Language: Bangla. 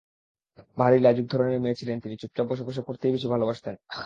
ভারি লাজুকধরনের মেয়ে ছিলেন তিনি, চুপচাপ বসে বসে পড়তেই বেশি ভালোবাসতেন।